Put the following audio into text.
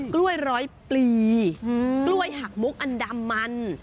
กล้วยร้อยปลีกล้วยหักมุกอันดำมัน